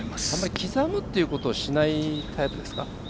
刻むということをしないタイプですか？